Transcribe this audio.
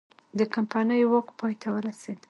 د کمپنۍ واک پای ته ورسید.